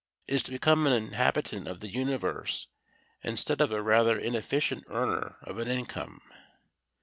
It is to become an inhabitant of the universe instead of a rather inefficient earner of an income.